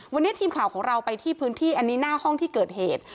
วันนี้ทีมข่าวของเราไปที่พื้นที่อันนี้หน้าห้องที่เกิดเหตุ